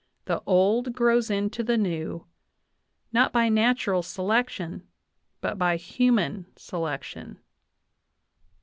... The old grows into the new, ... not by natural selection, but by human selec tion" (Proc.